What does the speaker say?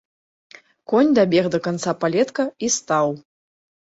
Конь дабег да канца палетка і стаў.